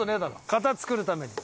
型作るために。